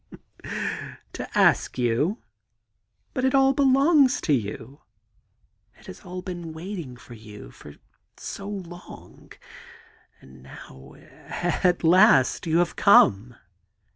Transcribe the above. ^ To ask you I But it all belongs to you I It has all been waiting for you for so long — and now, at last, you have come.'